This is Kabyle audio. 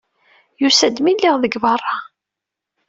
Yusa-d mi lliɣ deg beṛṛa.